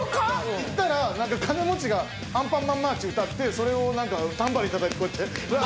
行ったら金持ちがアンパンマンのマーそれをタンバリン叩いてこうやってわあ！